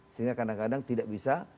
sehingga kadang kadang tidak bisa